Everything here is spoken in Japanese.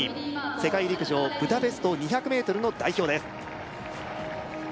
世界陸上ブダペスト２００ｍの代表です